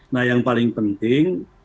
nah yang paling penting